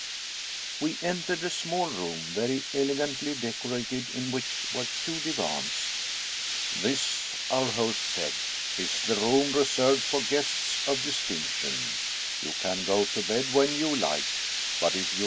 We entered a small room very elegantly decorated, in which were two divans. " This," our host said, " is the room reserved for guests of distinction ; you can go to bed when you like, but if you 232 M.